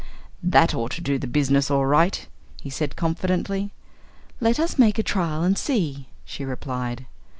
"That ought to do the business all right," he said confidently. "Let us make a trial and see," she replied.